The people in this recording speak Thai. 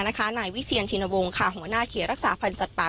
นายวิเชียนชินวงศ์หัวหน้าเขตรักษาพันธ์สัตว์ป่า